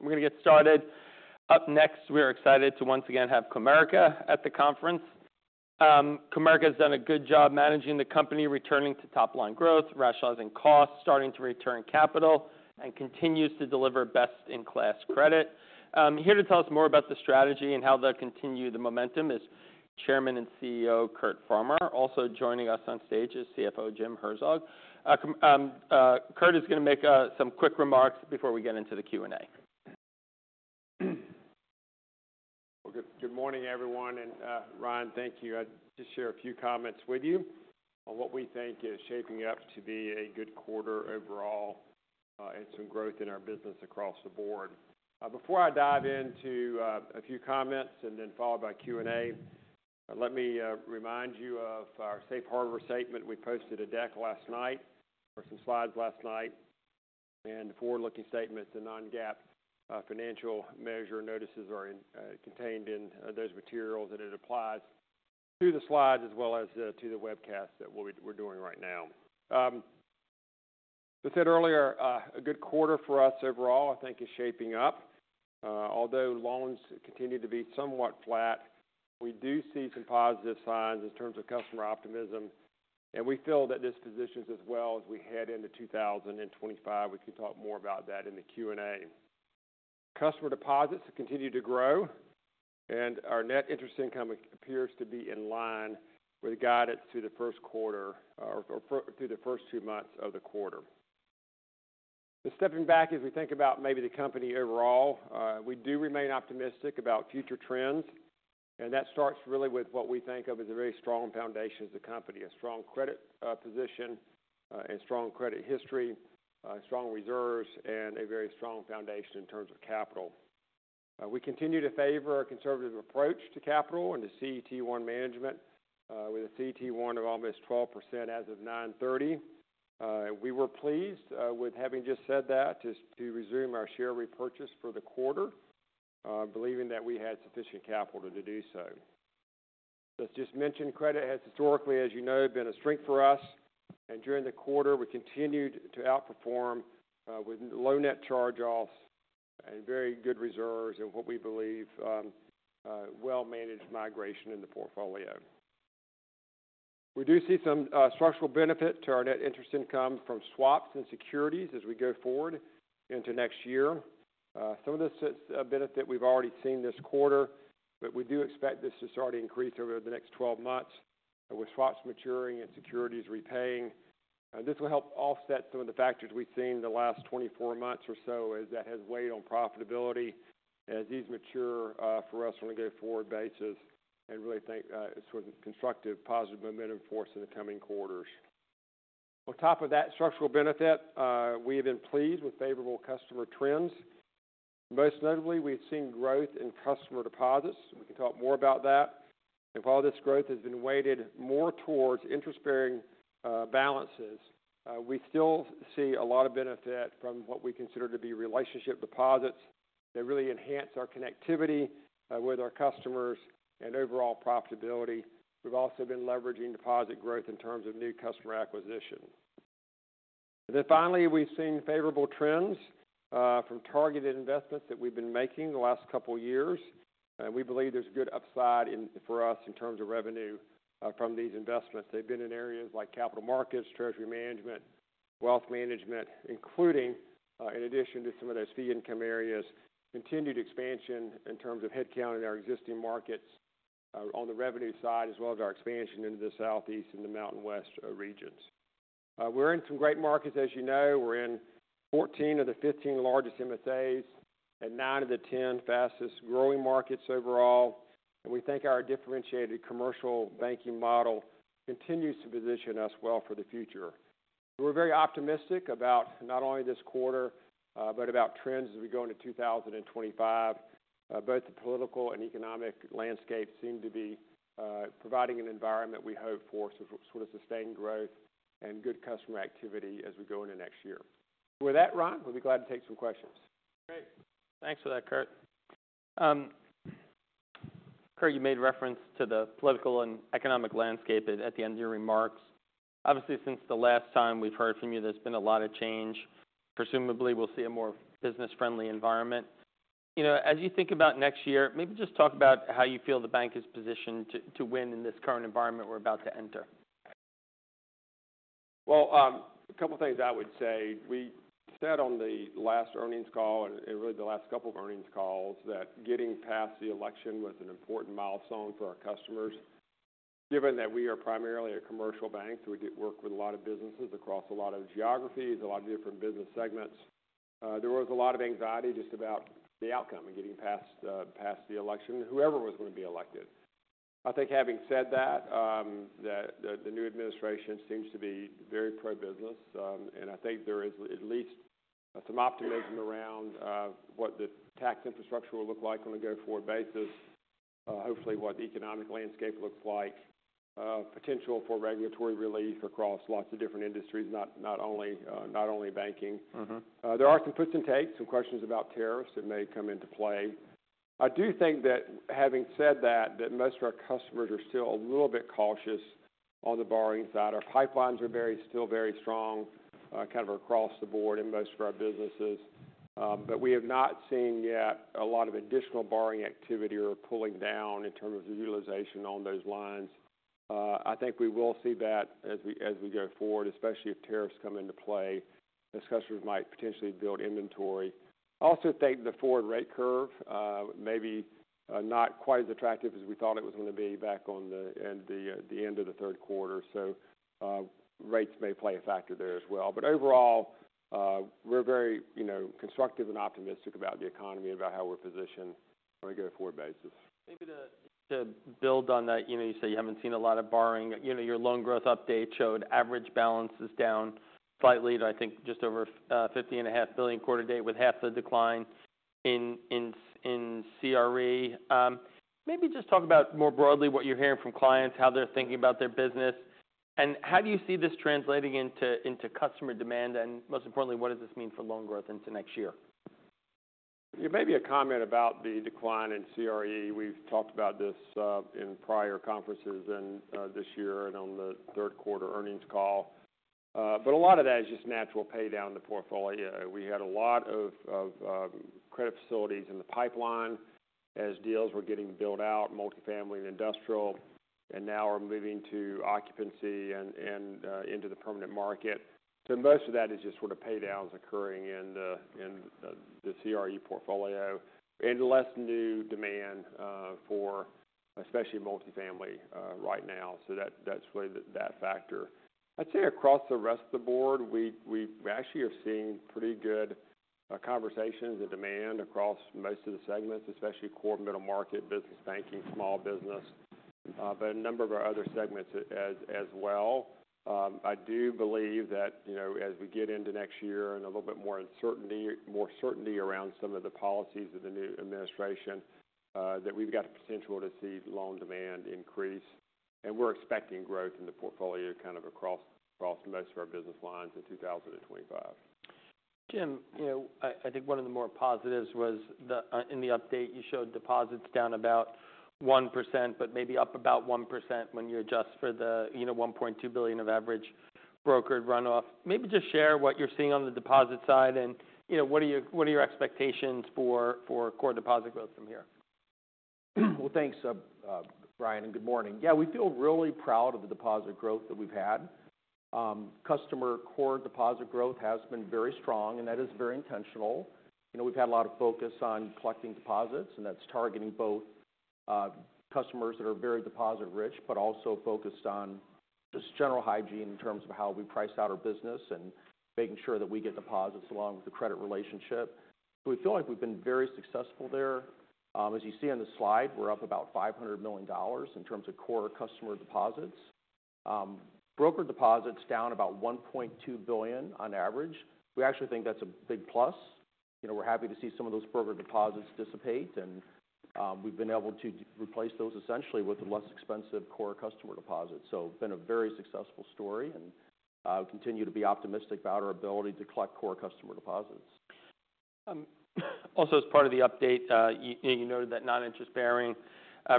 We're going to get started. Up next, we are excited to once again have Comerica at the conference. Comerica has done a good job managing the company, returning to top-line growth, rationalizing costs, starting to return capital, and continues to deliver best-in-class credit. Here to tell us more about the strategy and how they'll continue the momentum is Chairman and CEO Curt Farmer. Also joining us on stage is CFO Jim Herzog. Curt is going to make some quick remarks before we get into the Q&A. Good morning, everyone, and Ryan, thank you. I'd just share a few comments with you on what we think is shaping up to be a good quarter overall and some growth in our business across the board. Before I dive into a few comments and then followed by Q&A, let me remind you of our Safe Harbor statement. We posted a deck last night or some slides last night, and forward-looking statements and non-GAAP financial measure notices are contained in those materials, and it applies to the slides as well as to the webcast that we're doing right now. As I said earlier, a good quarter for us overall, I think, is shaping up. Although loans continue to be somewhat flat, we do see some positive signs in terms of customer optimism, and we feel that this positions as well as we head into 2025. We can talk more about that in the Q&A. Customer deposits continue to grow, and our net interest income appears to be in line with guidance through the first quarter or through the first two months of the quarter. Stepping back, as we think about maybe the company overall, we do remain optimistic about future trends, and that starts really with what we think of as a very strong foundation as a company: a strong credit position, a strong credit history, strong reserves, and a very strong foundation in terms of capital. We continue to favor a conservative approach to capital and to CET1 management with a CET1 of almost 12% as of 9/30. We were pleased with having just said that to resume our share repurchase for the quarter, believing that we had sufficient capital to do so. As just mentioned, credit has historically, as you know, been a strength for us, and during the quarter, we continued to outperform with low net charge-offs and very good reserves and what we believe is well-managed migration in the portfolio. We do see some structural benefit to our net interest income from swaps and securities as we go forward into next year. Some of this benefit we've already seen this quarter, but we do expect this to start to increase over the next 12 months with swaps maturing and securities repaying. This will help offset some of the factors we've seen the last 24 months or so as that has weighed on profitability as these mature for us on a go forward basis and really think sort of constructive positive momentum for us in the coming quarters. On top of that structural benefit, we have been pleased with favorable customer trends. Most notably, we've seen growth in customer deposits. We can talk more about that. And while this growth has been weighted more towards interest-bearing balances, we still see a lot of benefit from what we consider to be relationship deposits that really enhance our connectivity with our customers and overall profitability. We've also been leveraging deposit growth in terms of new customer acquisition. Then finally, we've seen favorable trends from targeted investments that we've been making the last couple of years. And we believe there's good upside for us in terms of revenue from these investments. They've been in areas like capital markets, treasury management, wealth management, including, in addition to some of those fee income areas, continued expansion in terms of headcount in our existing markets on the revenue side as well as our expansion into the Southeast and the Mountain West regions. We're in some great markets, as you know. We're in 14 of the 15 largest MSAs and 9 of the 10 fastest growing markets overall. And we think our differentiated commercial banking model continues to position us well for the future. We're very optimistic about not only this quarter, but about trends as we go into 2025. Both the political and economic landscape seem to be providing an environment we hope for sort of sustained growth and good customer activity as we go into next year. With that, Ryan, we'll be glad to take some questions. Great. Thanks for that, Curt. Curt, you made reference to the political and economic landscape at the end of your remarks. Obviously, since the last time we've heard from you, there's been a lot of change. Presumably, we'll see a more business-friendly environment. As you think about next year, maybe just talk about how you feel the bank is positioned to win in this current environment we're about to enter. A couple of things I would say. We said on the last earnings call and really the last couple of earnings calls that getting past the election was an important milestone for our customers. Given that we are primarily a commercial bank, we work with a lot of businesses across a lot of geographies, a lot of different business segments. There was a lot of anxiety just about the outcome and getting past the election, whoever was going to be elected. I think having said that, the new administration seems to be very pro-business. And I think there is at least some optimism around what the tax infrastructure will look like on a go-forward basis, hopefully what the economic landscape looks like, potential for regulatory relief across lots of different industries, not only banking. There are some puts and takes, some questions about tariffs that may come into play. I do think that having said that, that most of our customers are still a little bit cautious on the borrowing side. Our pipelines are still very strong kind of across the board in most of our businesses. But we have not seen yet a lot of additional borrowing activity or pulling down in terms of utilization on those lines. I think we will see that as we go forward, especially if tariffs come into play. Those customers might potentially build inventory. I also think the forward rate curve may be not quite as attractive as we thought it was going to be back on the end of the third quarter. So rates may play a factor there as well. But overall, we're very constructive and optimistic about the economy and about how we're positioned on a go-forward basis. Maybe to build on that, you say you haven't seen a lot of borrowing. Your loan growth update showed average balances down slightly, I think just over $50.5 billion quarter-to-date with half the decline in CRE. Maybe just talk about more broadly what you're hearing from clients, how they're thinking about their business. And how do you see this translating into customer demand? And most importantly, what does this mean for loan growth into next year? Maybe a comment about the decline in CRE. We've talked about this in prior conferences this year and on the third quarter earnings call. But a lot of that is just natural pay down in the portfolio. We had a lot of credit facilities in the pipeline as deals were getting built out, multifamily and industrial, and now are moving to occupancy and into the permanent market. So most of that is just sort of pay downs occurring in the CRE portfolio and less new demand for especially multifamily right now. So that's really that factor. I'd say across the rest of the board, we actually are seeing pretty good conversations and demand across most of the segments, especially core, middle market, business banking, small business, but a number of our other segments as well. I do believe that as we get into next year and a little bit more certainty around some of the policies of the new administration, that we've got the potential to see loan demand increase, and we're expecting growth in the portfolio kind of across most of our business lines in 2025. Jim, I think one of the more positives was in the update. You showed deposits down about 1%, but maybe up about 1% when you adjust for the $1.2 billion of average brokered runoff. Maybe just share what you're seeing on the deposit side and what are your expectations for core deposit growth from here. Thanks, Ryan, and good morning. Yeah, we feel really proud of the deposit growth that we've had. Customer core deposit growth has been very strong, and that is very intentional. We've had a lot of focus on collecting deposits, and that's targeting both customers that are very deposit-rich, but also focused on just general hygiene in terms of how we price out our business and making sure that we get deposits along with the credit relationship. So we feel like we've been very successful there. As you see on the slide, we're up about $500 million in terms of core customer deposits. Brokered deposits down about $1.2 billion on average. We actually think that's a big plus. We're happy to see some of those brokered deposits dissipate, and we've been able to replace those essentially with the less expensive core customer deposits. So it's been a very successful story and continue to be optimistic about our ability to collect core customer deposits. Also, as part of the update, you noted that non-interest bearing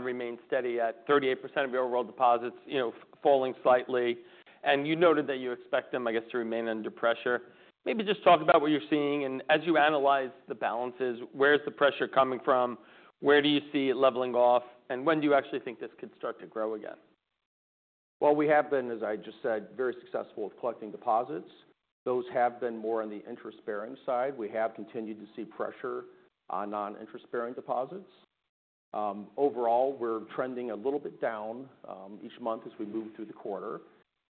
remained steady at 38% of your overall deposits, falling slightly. And you noted that you expect them, I guess, to remain under pressure. Maybe just talk about what you're seeing. And as you analyze the balances, where's the pressure coming from? Where do you see it leveling off? And when do you actually think this could start to grow again? We have been, as I just said, very successful at collecting deposits. Those have been more on the interest-bearing side. We have continued to see pressure on non-interest-bearing deposits. Overall, we're trending a little bit down each month as we move through the quarter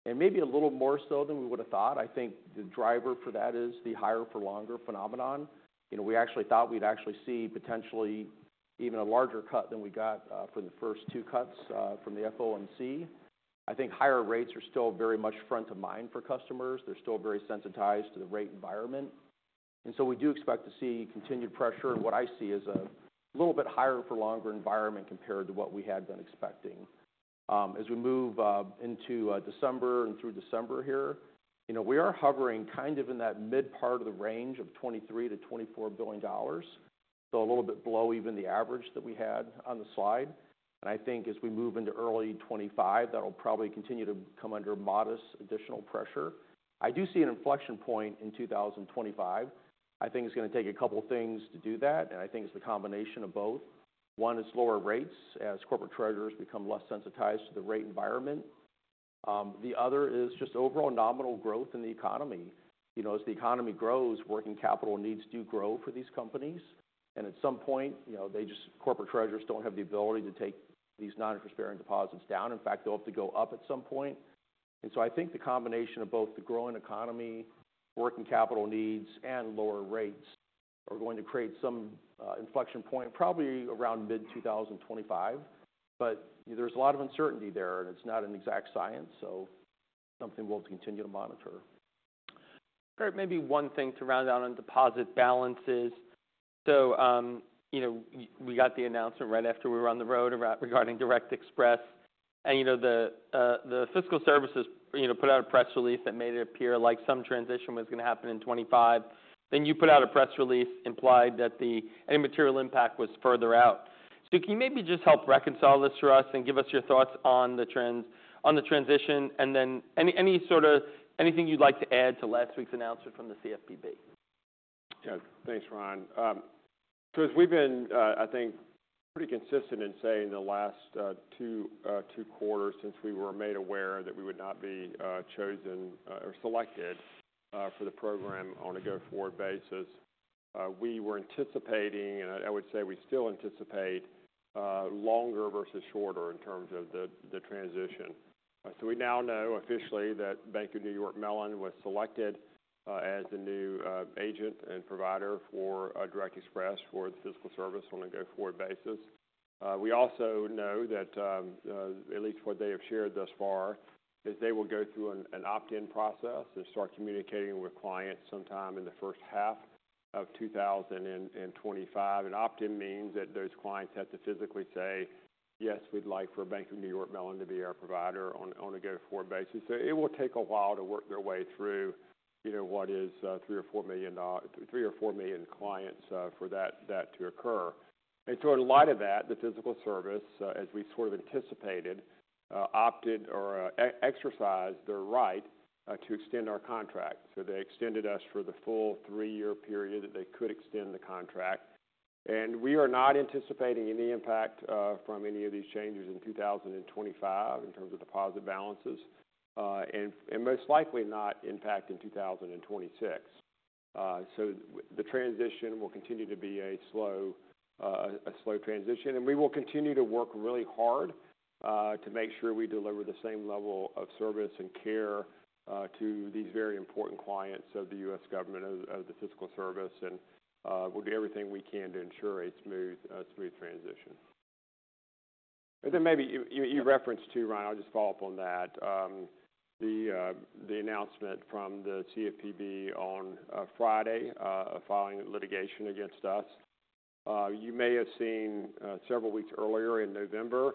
and maybe a little more so than we would have thought. I think the driver for that is the higher-for-longer phenomenon. We actually thought we'd see potentially even a larger cut than we got for the first two cuts from the FOMC. I think higher rates are still very much front of mind for customers. They're still very sensitized to the rate environment. And so we do expect to see continued pressure in what I see as a little bit higher-for-longer environment compared to what we had been expecting. As we move into December and through December here, we are hovering kind of in that mid part of the range of $23-$24 billion, so a little bit below even the average that we had on the slide. And I think as we move into early 2025, that'll probably continue to come under modest additional pressure. I do see an inflection point in 2025. I think it's going to take a couple of things to do that. And I think it's the combination of both. One is lower rates as corporate treasurers become less sensitized to the rate environment. The other is just overall nominal growth in the economy. As the economy grows, working capital needs do grow for these companies. And at some point, they just corporate treasurers don't have the ability to take these non-interest-bearing deposits down. In fact, they'll have to go up at some point. And so I think the combination of both the growing economy, working capital needs, and lower rates are going to create some inflection point probably around mid-2025. But there's a lot of uncertainty there, and it's not an exact science. So something we'll have to continue to monitor. Curt, maybe one thing to round out on deposit balances. So we got the announcement right after we were on the road regarding Direct Express. And the Fiscal Service put out a press release that made it appear like some transition was going to happen in 2025. Then you put out a press release implied that the immaterial impact was further out. So can you maybe just help reconcile this for us and give us your thoughts on the transition and then any sort of anything you'd like to add to last week's announcement from the CFPB? Yeah, thanks, Ryan. Curt, we've been, I think, pretty consistent in saying the last two quarters since we were made aware that we would not be chosen or selected for the program on a go-forward basis. We were anticipating, and I would say we still anticipate longer versus shorter in terms of the transition, so we now know officially that Bank of New York Mellon was selected as the new agent and provider for Direct Express for the Fiscal Service on a go-forward basis. We also know that at least what they have shared thus far is they will go through an opt-in process and start communicating with clients sometime in the first half of 2025. Opt-in means that those clients have to physically say, "Yes, we'd like for Bank of New York Mellon to be our provider on a go-forward basis." It will take a while to work their way through what is three or four million clients for that to occur. In light of that, the Fiscal Service, as we sort of anticipated, opted or exercised their right to extend our contract. They extended us for the full three-year period that they could extend the contract. We are not anticipating any impact from any of these changes in 2025 in terms of deposit balances and most likely not impact in 2026. The transition will continue to be a slow transition. And we will continue to work really hard to make sure we deliver the same level of service and care to these very important clients of the U.S. government, of the Fiscal Service. And we'll do everything we can to ensure a smooth transition. And then maybe you referenced too, Ryan. I'll just follow up on that. The announcement from the CFPB on Friday, filing litigation against us, you may have seen several weeks earlier in November,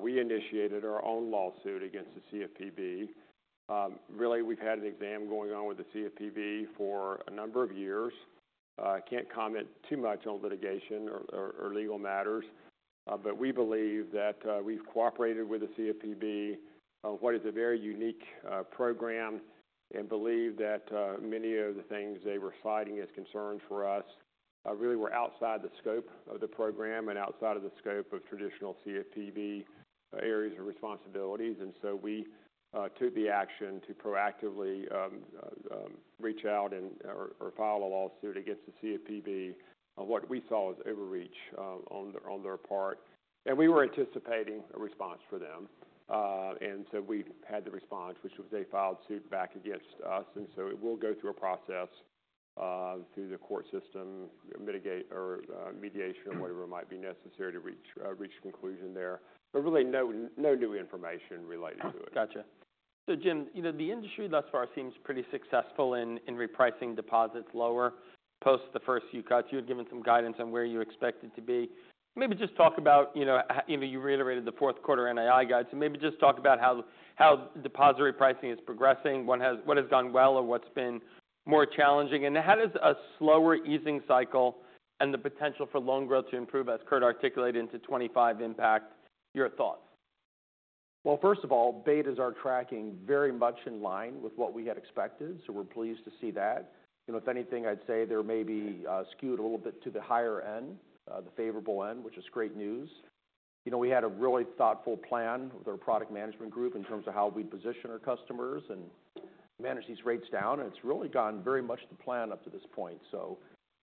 we initiated our own lawsuit against the CFPB. Really, we've had an exam going on with the CFPB for a number of years. I can't comment too much on litigation or legal matters, but we believe that we've cooperated with the CFPB on what is a very unique program and believe that many of the things they were citing as concerns for us really were outside the scope of the program and outside of the scope of traditional CFPB areas of responsibilities, and so we took the action to proactively reach out and file a lawsuit against the CFPB on what we saw as overreach on their part, and we were anticipating a response from them, and so we had the response, which was they filed suit back against us, and so we'll go through a process through the court system, mediation or whatever might be necessary to reach conclusion there, but really no new information related to it. Gotcha. So Jim, the industry thus far seems pretty successful in repricing deposits lower post the first few cuts. You had given some guidance on where you expected to be. Maybe just talk about you reiterated the fourth quarter NII guides. So maybe just talk about how depository pricing is progressing, what has gone well, or what's been more challenging. And how does a slower easing cycle and the potential for loan growth to improve, as Curt articulated into 2025, impact your thoughts? First of all, our beta is tracking very much in line with what we had expected. We're pleased to see that. If anything, I'd say it may be skewed a little bit to the higher end, the favorable end, which is great news. We had a really thoughtful plan with our product management group in terms of how we position our customers and manage these rates down. It's really gone very much to plan up to this point.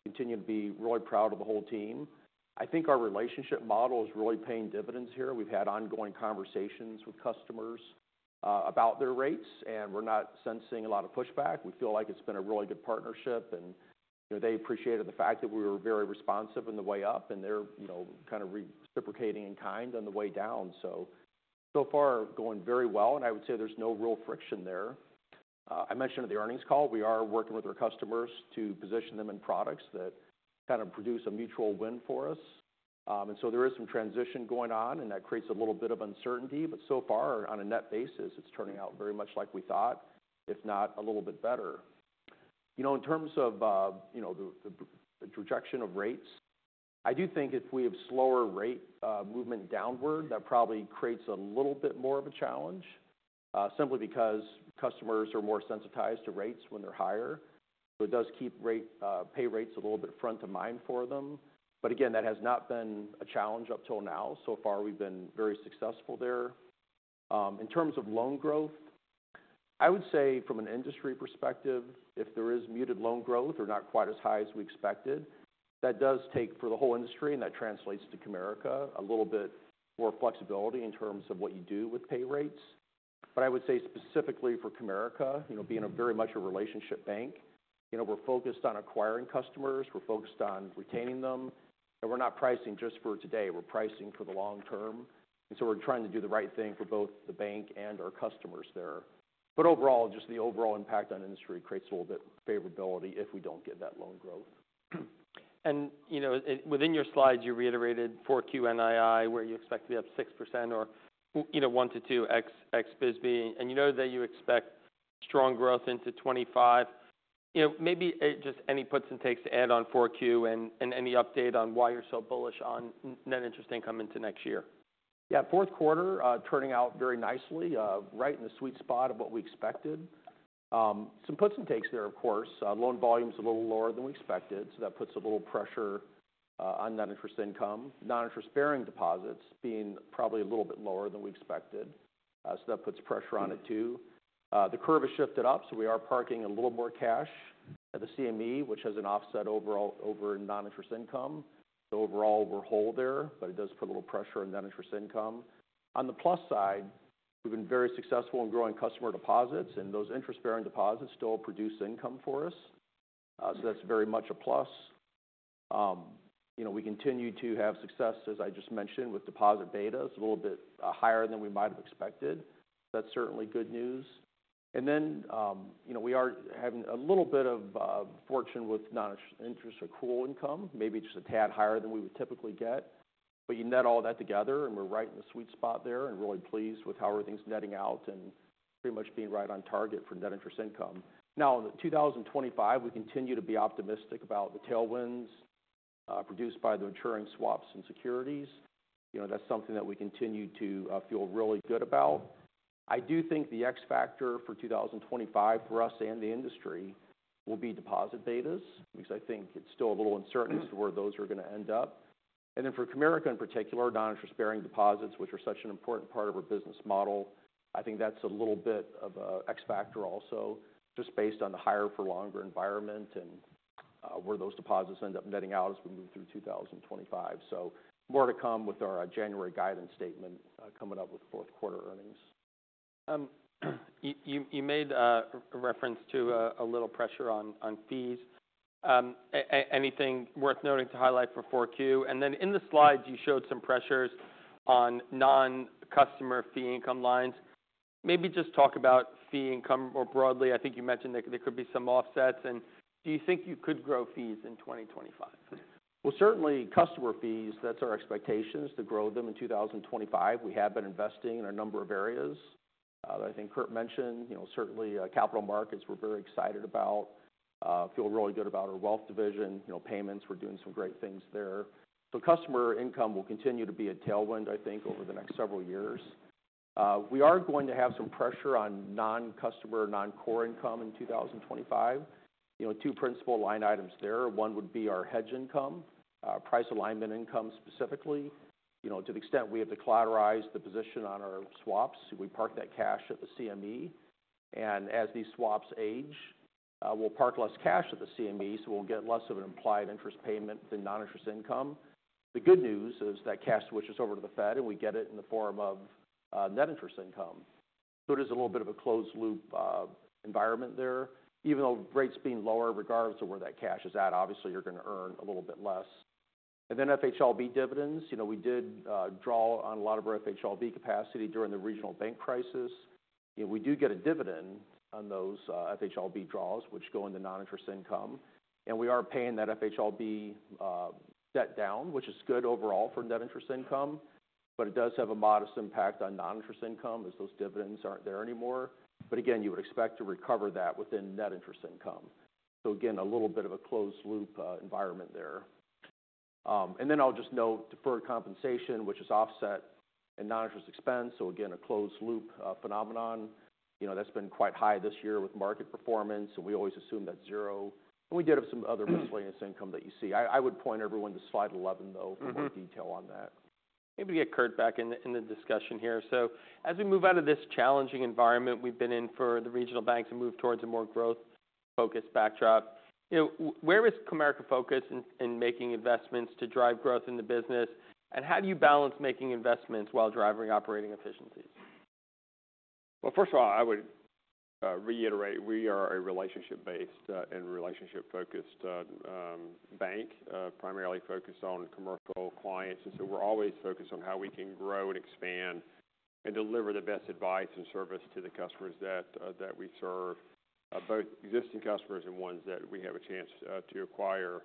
Continue to be really proud of the whole team. I think our relationship model is really paying dividends here. We've had ongoing conversations with customers about their rates, and we're not sensing a lot of pushback. We feel like it's been a really good partnership, and they appreciated the fact that we were very responsive on the way up, and they're kind of reciprocating in kind on the way down, so so far, going very well, and I would say there's no real friction there. I mentioned at the earnings call, we are working with our customers to position them in products that kind of produce a mutual win for us, and so there is some transition going on, and that creates a little bit of uncertainty, but so far, on a net basis, it's turning out very much like we thought, if not a little bit better. In terms of the trajectory of rates, I do think if we have slower rate movement downward, that probably creates a little bit more of a challenge simply because customers are more sensitized to rates when they're higher. So it does keep pay rates a little bit front of mind for them. But again, that has not been a challenge up till now. So far, we've been very successful there. In terms of loan growth, I would say from an industry perspective, if there is muted loan growth or not quite as high as we expected, that does take for the whole industry, and that translates to Comerica a little bit more flexibility in terms of what you do with pay rates. But I would say specifically for Comerica, being very much a relationship bank, we're focused on acquiring customers. We're focused on retaining them. And we're not pricing just for today. We're pricing for the long term. And so we're trying to do the right thing for both the bank and our customers there. But overall, just the overall impact on industry creates a little bit of favorability if we don't get that loan growth. Within your slides, you reiterated 4Q NII, where you expect to be up 6% or 1 to 2 ex-BSBY. You know that you expect strong growth into 2025. Maybe just any puts and takes to add on 4Q and any update on why you're so bullish on net interest income into next year. Yeah, fourth quarter turning out very nicely, right in the sweet spot of what we expected. Some puts and takes there, of course. Loan volume is a little lower than we expected, so that puts a little pressure on Net Interest Income. Non-interest-bearing deposits being probably a little bit lower than we expected. So that puts pressure on it too. The curve has shifted up, so we are parking a little more cash at the CME, which has an offset overall over non-interest income. So overall, we're whole there, but it does put a little pressure on Net Interest Income. On the plus side, we've been very successful in growing customer deposits, and those interest-bearing deposits still produce income for us. So that's very much a plus. We continue to have success, as I just mentioned, with Deposit Beta. It's a little bit higher than we might have expected. That's certainly good news, and then we are having a little bit of fortunate with non-interest or core income, maybe just a tad higher than we would typically get, but you net all that together, and we're right in the sweet spot there and really pleased with how everything's netting out and pretty much being right on target for net interest income. Now, in 2025, we continue to be optimistic about the tailwinds produced by the maturing swaps and securities. That's something that we continue to feel really good about. I do think the X factor for 2025 for us and the industry will be deposit betas because I think it's still a little uncertain as to where those are going to end up. And then for Comerica in particular, non-interest-bearing deposits, which are such an important part of our business model, I think that's a little bit of an X factor also just based on the higher-for-longer environment and where those deposits end up netting out as we move through 2025. So more to come with our January guidance statement coming up with the fourth quarter earnings. You made a reference to a little pressure on fees. Anything worth noting to highlight for 4Q? And then in the slides, you showed some pressures on non-customer fee income lines. Maybe just talk about fee income more broadly. I think you mentioned there could be some offsets. And do you think you could grow fees in 2025? Certainly customer fees, that's our expectations to grow them in 2025. We have been investing in a number of areas that I think Curt mentioned. Certainly, capital markets we're very excited about. I feel really good about our wealth division. Payments, we're doing some great things there. So customer income will continue to be a tailwind, I think, over the next several years. We are going to have some pressure on non-customer, non-core income in 2025. Two principal line items there. One would be our hedge income, price alignment income specifically. To the extent we have to collateralize the position on our swaps, we park that cash at the CME. And as these swaps age, we'll park less cash at the CME, so we'll get less of an implied interest payment than non-interest income. The good news is that cash switches over to the Fed, and we get it in the form of net interest income. So it is a little bit of a closed-loop environment there. Even though rates being lower, regardless of where that cash is at, obviously you're going to earn a little bit less, and then FHLB dividends. We did draw on a lot of our FHLB capacity during the regional bank crisis. We do get a dividend on those FHLB draws, which go into non-interest income, and we are paying that FHLB debt down, which is good overall for net interest income. But it does have a modest impact on non-interest income as those dividends aren't there anymore, but again, you would expect to recover that within net interest income, so again, a little bit of a closed-loop environment there. And then I'll just note deferred compensation, which is offset and non-interest expense. So again, a closed-loop phenomenon. That's been quite high this year with market performance. And we always assume that's zero. And we did have some other miscellaneous income that you see. I would point everyone to slide 11, though, for more detail on that. Maybe to get Curt back in the discussion here, so as we move out of this challenging environment we've been in for the regional banks and move towards a more growth-focused backdrop, where is Comerica focused in making investments to drive growth in the business? And how do you balance making investments while driving operating efficiencies? First of all, I would reiterate we are a relationship-based and relationship-focused bank, primarily focused on commercial clients. And so we're always focused on how we can grow and expand and deliver the best advice and service to the customers that we serve, both existing customers and ones that we have a chance to acquire.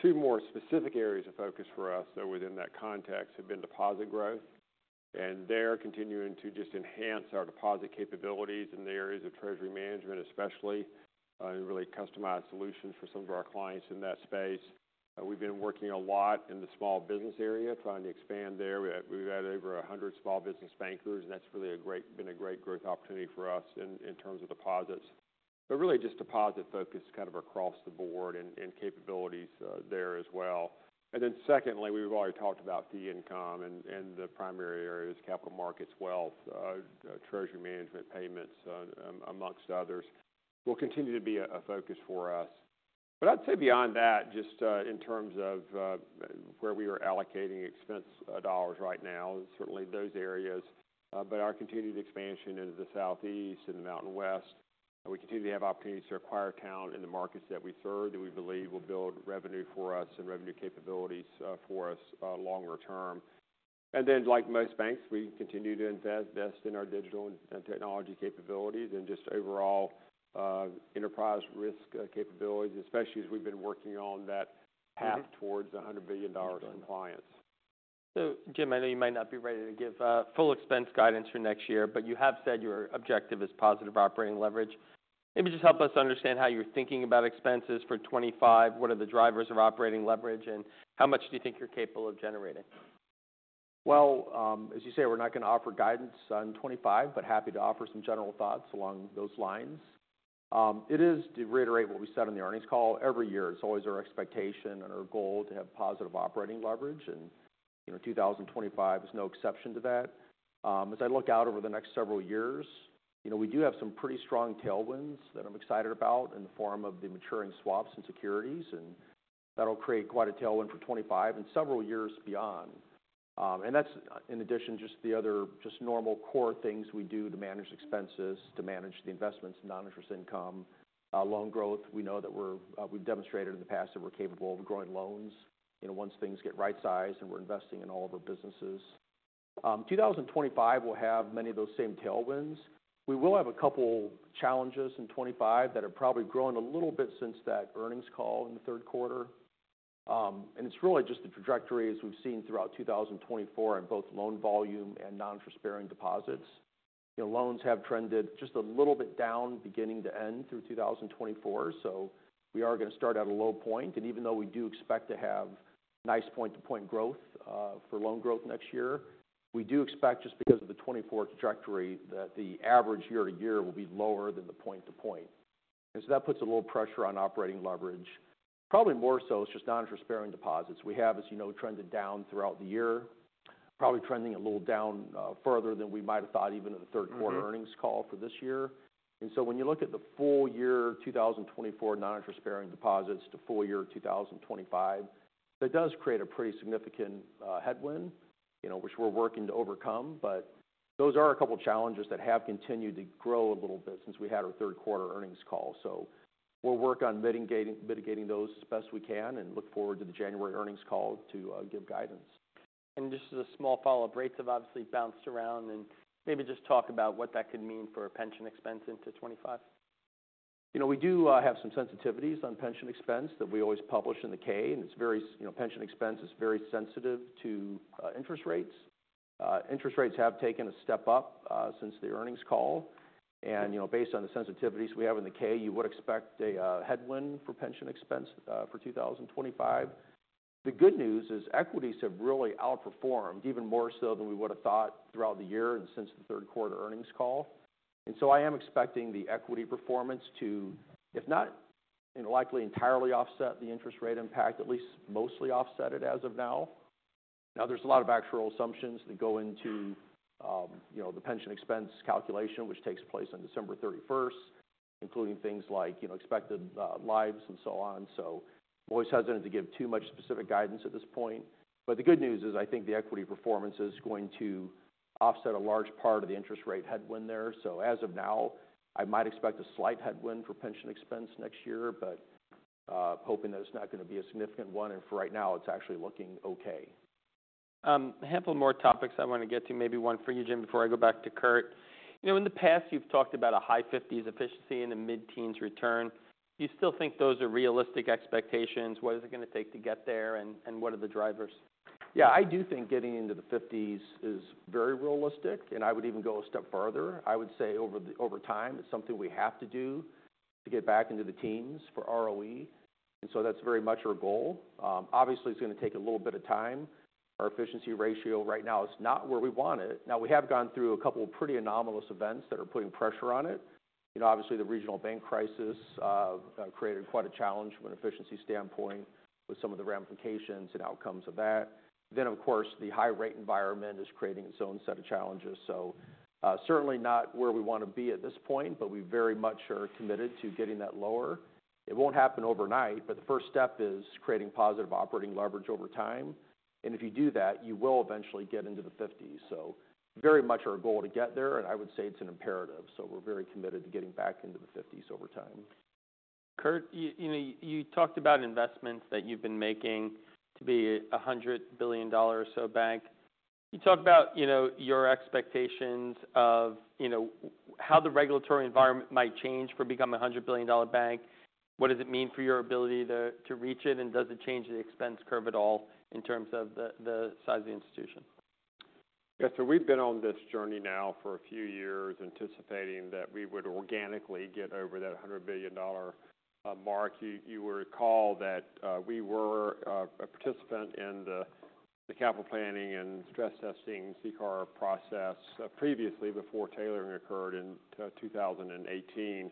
Two more specific areas of focus for us, though, within that context have been deposit growth. And they're continuing to just enhance our deposit capabilities in the areas of treasury management, especially really customized solutions for some of our clients in that space. We've been working a lot in the small business area, trying to expand there. We've had over 100 small business bankers, and that's really been a great growth opportunity for us in terms of deposits. But really just deposit focus kind of across the board and capabilities there as well. Secondly, we've already talked about fee income and the primary areas, capital markets, wealth, treasury management, payments, among others. They will continue to be a focus for us. But I'd say beyond that, just in terms of where we are allocating expense dollars right now, certainly those areas, but our continued expansion into the Southeast and the Mountain West. We continue to have opportunities to acquire talent in the markets that we serve that we believe will build revenue for us and revenue capabilities for us longer term. Like most banks, we continue to invest in our digital and technology capabilities and just overall enterprise risk capabilities, especially as we've been working on that path towards $100 billion compliance. So Jim, I know you may not be ready to give full expense guidance for next year, but you have said your objective is positive operating leverage. Maybe just help us understand how you're thinking about expenses for 2025. What are the drivers of operating leverage, and how much do you think you're capable of generating? As you say, we're not going to offer guidance on 2025, but happy to offer some general thoughts along those lines. It is to reiterate what we said on the earnings call. Every year, it's always our expectation and our goal to have positive operating leverage. And 2025 is no exception to that. As I look out over the next several years, we do have some pretty strong tailwinds that I'm excited about in the form of the maturing swaps and securities. And that'll create quite a tailwind for 2025 and several years beyond. And that's, in addition, just the other normal core things we do to manage expenses, to manage the investments, non-interest income, loan growth. We know that we've demonstrated in the past that we're capable of growing loans once things get right-sized and we're investing in all of our businesses. 2025 will have many of those same tailwinds. We will have a couple of challenges in 2025 that are probably growing a little bit since that earnings call in the third quarter, and it's really just the trajectory as we've seen throughout 2024 in both loan volume and non-interest-bearing deposits. Loans have trended just a little bit down beginning to end through 2024, so we are going to start at a low point. Even though we do expect to have nice point-to-point growth for loan growth next year, we do expect, just because of the 2024 trajectory, that the average year-to-year will be lower than the point-to-point, and so that puts a little pressure on operating leverage. Probably more so it's just non-interest-bearing deposits. We have, as you know, trended down throughout the year, probably trending a little down further than we might have thought even in the third quarter earnings call for this year. And so when you look at the full year 2024 non-interest-bearing deposits to full year 2025, that does create a pretty significant headwind, which we're working to overcome. But those are a couple of challenges that have continued to grow a little bit since we had our third quarter earnings call. So we'll work on mitigating those as best we can and look forward to the January earnings call to give guidance. Just as a small follow-up, rates have obviously bounced around. Maybe just talk about what that could mean for pension expense into 2025. We do have some sensitivities on pension expense that we always publish in the K, and pension expense is very sensitive to interest rates. Interest rates have taken a step up since the earnings call, and based on the sensitivities we have in the K, you would expect a headwind for pension expense for 2025. The good news is equities have really outperformed, even more so than we would have thought throughout the year and since the third quarter earnings call, and so I am expecting the equity performance to, if not likely entirely offset the interest rate impact, at least mostly offset it as of now. Now, there's a lot of actual assumptions that go into the pension expense calculation, which takes place on December 31st, including things like expected lives and so on. So I'm always hesitant to give too much specific guidance at this point. But the good news is I think the equity performance is going to offset a large part of the interest rate headwind there. So as of now, I might expect a slight headwind for pension expense next year, but hoping that it's not going to be a significant one. And for right now, it's actually looking okay. A handful more topics I want to get to, maybe one for you, Jim, before I go back to Curt. In the past, you've talked about a high 50s efficiency and a mid-teens return. Do you still think those are realistic expectations? What is it going to take to get there, and what are the drivers? Yeah, I do think getting into the 50s is very realistic, and I would even go a step further. I would say over time, it's something we have to do to get back into the teens for ROE, and so that's very much our goal. Obviously, it's going to take a little bit of time. Our efficiency ratio right now is not where we want it. Now, we have gone through a couple of pretty anomalous events that are putting pressure on it. Obviously, the regional bank crisis created quite a challenge from an efficiency standpoint with some of the ramifications and outcomes of that, then, of course, the high rate environment is creating its own set of challenges, so certainly not where we want to be at this point, but we very much are committed to getting that lower. It won't happen overnight, but the first step is creating positive operating leverage over time, and if you do that, you will eventually get into the 50s, so very much our goal to get there, and I would say it's an imperative, so we're very committed to getting back into the 50s over time. Curt, you talked about investments that you've been making to be a $100 billion or so bank. You talked about your expectations of how the regulatory environment might change for becoming a $100 billion bank. What does it mean for your ability to reach it, and does it change the expense curve at all in terms of the size of the institution? Yeah, so we've been on this journey now for a few years anticipating that we would organically get over that $100 billion mark. You will recall that we were a participant in the capital planning and stress testing CCAR process previously before tailoring occurred in 2018.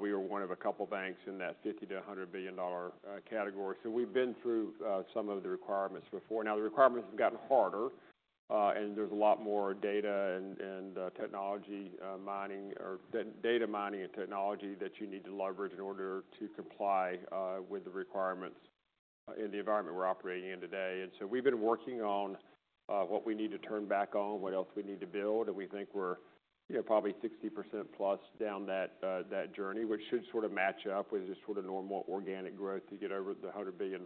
We were one of a couple of banks in that $50-$100 billion category. So we've been through some of the requirements before. Now, the requirements have gotten harder. And there's a lot more data and technology mining or data mining and technology that you need to leverage in order to comply with the requirements in the environment we're operating in today. And so we've been working on what we need to turn back on, what else we need to build. We think we're probably 60% plus done that journey, which should sort of match up with just sort of normal organic growth to get over the $100 billion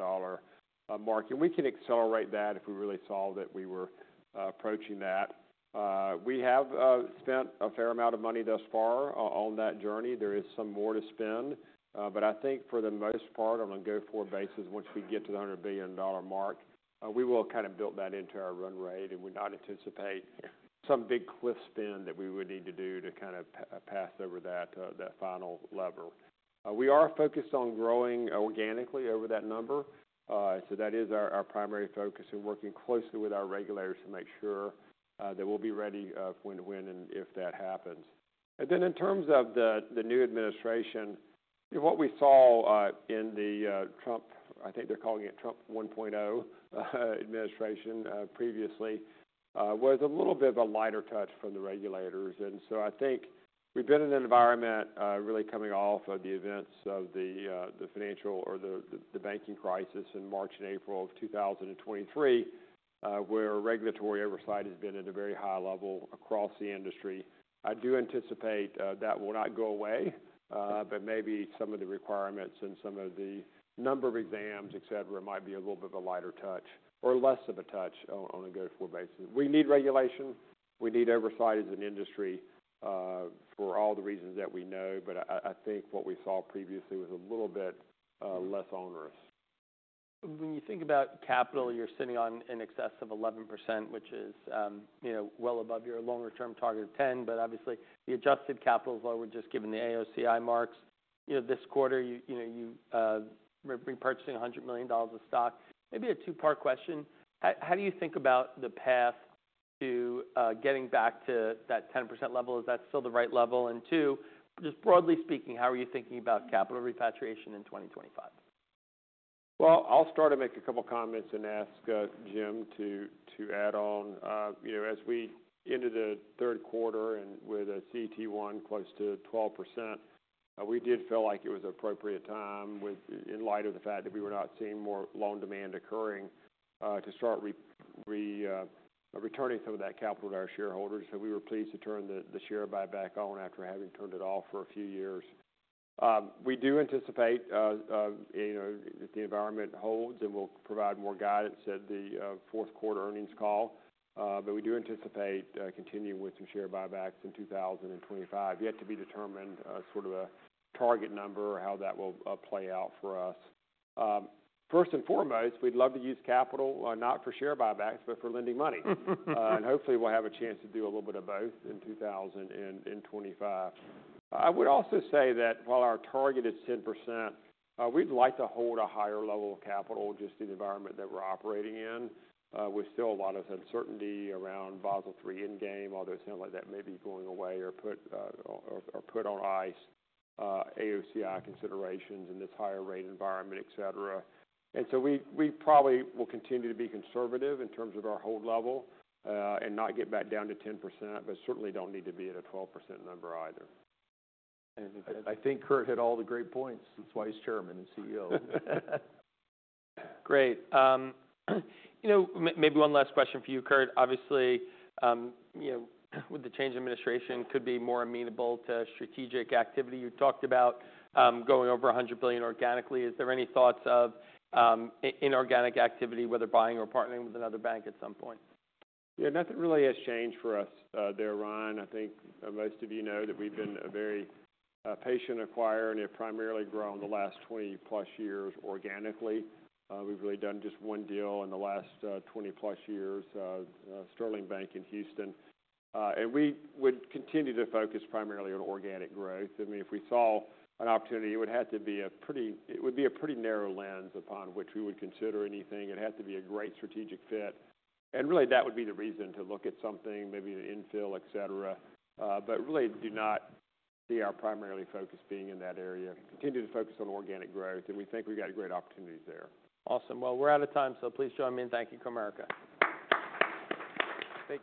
mark. And we can accelerate that if we really saw that we were approaching that. We have spent a fair amount of money thus far on that journey. There is some more to spend. But I think for the most part, on a go-forward basis, once we get to the $100 billion mark, we will kind of build that into our run rate. And we'd not anticipate some big spend cliff that we would need to do to kind of pass over that final level. We are focused on growing organically over that number. So that is our primary focus. We're working closely with our regulators to make sure that we'll be ready for when the time and if that happens. And then in terms of the new administration, what we saw in the Trump, I think they're calling it Trump 1.0 administration previously, was a little bit of a lighter touch from the regulators. And so I think we've been in an environment really coming off of the events of the financial or the banking crisis in March and April of 2023, where regulatory oversight has been at a very high level across the industry. I do anticipate that will not go away, but maybe some of the requirements and some of the number of exams, et cetera, might be a little bit of a lighter touch or less of a touch on a go-forward basis. We need regulation. We need oversight as an industry for all the reasons that we know. But I think what we saw previously was a little bit less onerous. When you think about capital, you're sitting on an excess of 11%, which is well above your longer-term target of 10%. But obviously, the adjusted capital is lower just given the AOCI marks. This quarter, you're repurchasing $100 million of stock. Maybe a two-part question. How do you think about the path to getting back to that 10% level? Is that still the right level? And two, just broadly speaking, how are you thinking about capital repatriation in 2025? I'll start to make a couple of comments and ask Jim to add on. As we ended the third quarter with a CET1 close to 12%, we did feel like it was an appropriate time in light of the fact that we were not seeing more loan demand occurring to start returning some of that capital to our shareholders. So we were pleased to turn the share buyback on after having turned it off for a few years. We do anticipate if the environment holds, and we'll provide more guidance at the fourth quarter earnings call. But we do anticipate continuing with some share buybacks in 2025. Yet to be determined sort of a target number or how that will play out for us. First and foremost, we'd love to use capital not for share buybacks, but for lending money. And hopefully, we'll have a chance to do a little bit of both in 2025. I would also say that while our target is 10%, we'd like to hold a higher level of capital just in the environment that we're operating in. With still a lot of uncertainty around Basel III Endgame, although it sounds like that may be going away or put on ice, AOCI considerations in this higher rate environment, et cetera. And so we probably will continue to be conservative in terms of our hold level and not get back down to 10%, but certainly don't need to be at a 12% number either. I think Curt hit all the great points. He's Vice Chairman and CEO. Great. Maybe one last question for you, Curt. Obviously, with the change in administration, it could be more amenable to strategic activity. You talked about going over $100 billion organically. Is there any thoughts of inorganic activity, whether buying or partnering with another bank at some point? Yeah, nothing really has changed for us there, Ryan. I think most of you know that we've been a very patient acquirer and have primarily grown the last 20-plus years organically. We've really done just one deal in the last 20-plus years, Sterling Bank in Houston. We would continue to focus primarily on organic growth. I mean, if we saw an opportunity, it would have to be a pretty narrow lens upon which we would consider anything. It'd have to be a great strategic fit. Really, that would be the reason to look at something, maybe an infill, et cetera. But we do not see our primary focus being in that area. We continue to focus on organic growth. We think we've got great opportunities there. Awesome. Well, we're out of time. So please join me in thanking Comerica. Thank.